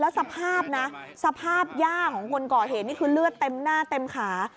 สภาพนะสภาพย่าของคนก่อเหตุนี่คือเลือดเต็มหน้าเต็มขา